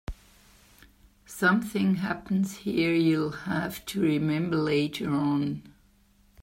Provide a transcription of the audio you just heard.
Something happens here you'll have to remember later on.